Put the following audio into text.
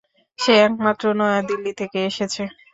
যে এইমাত্র নয়াদিল্লি থেকে এসেছে।